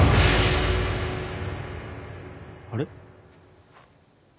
あれ？